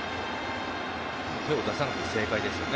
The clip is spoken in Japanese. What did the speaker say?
手を出さないで正解ですね。